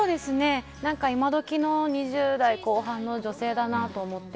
いまどきの２０代後半の女性だなと思って。